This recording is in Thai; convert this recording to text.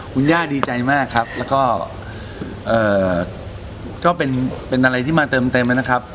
คุณย่าดีใจมากครับแล้วก็เป็นอะไรที่มาเติมเต็มนะครับ